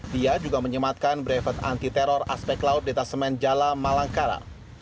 dia juga menyematkan brevet anti teror aspek laut detasemen jala malangkara